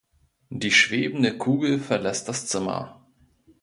Die schwebende Kugel verlässt das Zimmer.